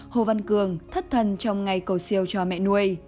hồ văn cường thất thần trong ngày cầu siêu cho mẹ nuôi